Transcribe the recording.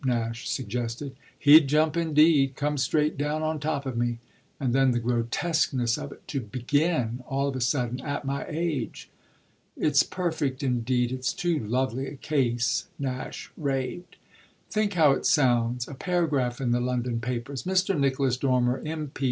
Nash suggested. "He'd jump indeed come straight down on top of me. And then the grotesqueness of it to begin all of a sudden at my age." "It's perfect indeed, it's too lovely a case," Nash raved. "Think how it sounds a paragraph in the London papers: 'Mr. Nicholas Dormer, M. P.